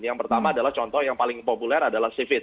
yang pertama adalah contoh yang paling populer adalah civit